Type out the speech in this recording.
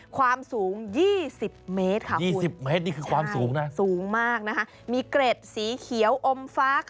ความสูง๒๐เมตรค่ะสูงมากนะคะมีเกร็ดสีเขียวอมฟ้า